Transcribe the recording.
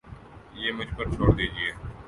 یہ مجھ پر چھوڑ دیجئے